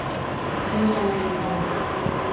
Ham onaizor